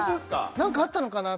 何かあったのかな？